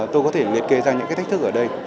tôi có thể liệt kế ra những cái thách thức ở đây